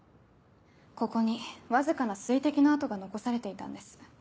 ここにわずかな水滴の跡が残されていたんです。